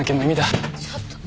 ちょっと。